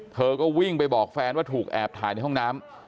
เธอก็วิ่งไปบอกแฟนว่าถูกแอบถ่ายในห้องน้ำ